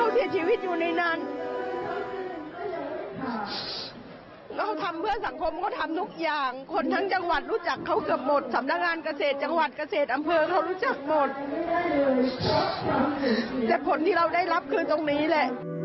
แต่ผลที่เราได้รับคือตรงนี้แหละ